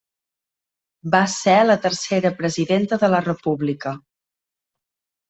Va ser la tercera presidenta de la República.